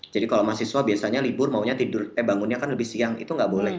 jadi kalau mahasiswa biasanya libur maunya tidur eh bangunnya kan lebih siang itu nggak boleh